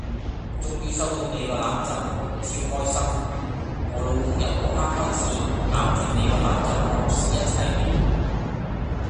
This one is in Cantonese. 終於收到你個攬枕！超開心！我老公由個刻開始攬住你個攬枕無視一切了